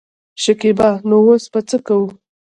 شکيبا : نو اوس به څه کوو.